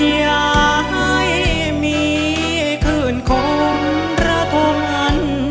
อย่าให้มีคลื่นคงระทน